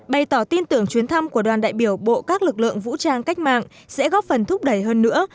bày tỏ tin tưởng chuyến thăm của đoàn đại biểu bộ các lực lượng vũ trang cách mạng sẽ góp phần thúc đẩy hơn nữa